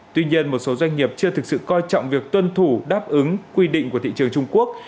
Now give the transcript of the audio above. tuy nhiên một số doanh nghiệp chưa thực sự coi trọng việc tuân thủ đáp ứng quy định của thị trường trung quốc